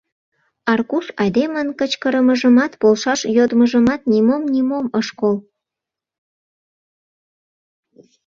Аркуш айдемын кычкырымыжымат, полшаш йодмыжымат — нимом-нимом ыш кол.